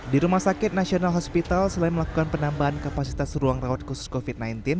di rumah sakit nasional hospital selain melakukan penambahan kapasitas ruang rawat khusus covid sembilan belas